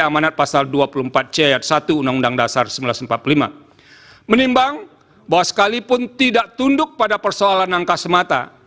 menimbang bahwa sekalipun tidak tunduk pada persoalan angka semata